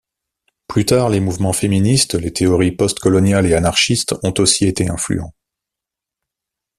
Plus tard les mouvements féministes, les théories post-coloniales et anarchistes ont aussi été influents.